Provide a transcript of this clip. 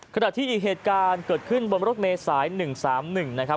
ขณะที่อีกเหตุการณ์เกิดขึ้นบนรถเมษาย๑๓๑นะครับ